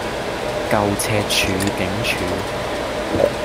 舊赤柱警署